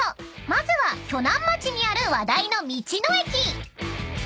まずは鋸南町にある話題の道の駅］